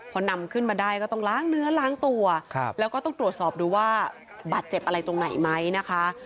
พอนำขึ้นมาได้ก็ต้องล้างเนื้อล้างตัวแล้วก็ต้องตรวจสอบดูว่าบาดเจ็บอะไรตรงไหนไหมนะคะ